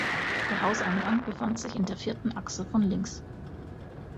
Der Hauseingang befand sich in der vierten Achse von links.